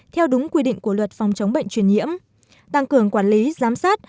theo đúng quy định của luật phòng chống bệnh truyền nhiễm tăng cường quản lý giám sát